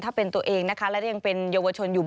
ถ้าเป็นตัวเองนะคะและยังเป็นเยาวชนอยู่